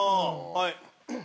はい。